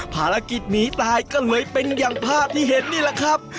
ภารกิจหนีตายก็เลยเป็นอย่างภาพที่เห็นนี่แหละครับ